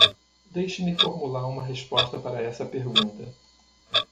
Deixe-me formular uma resposta para essa pergunta.